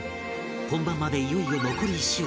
本番までいよいよ残り１週間